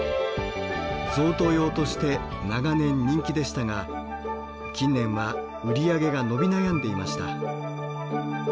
贈答用として長年人気でしたが近年は売り上げが伸び悩んでいました。